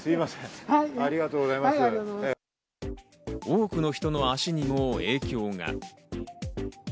多くの人の足にも影響が。